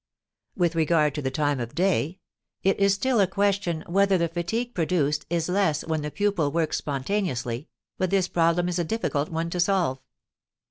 With regard to the time of day, "it is still a question whether the fatigue produced is less when the pupil works spontaneously, but this problem is a difficult one to solve."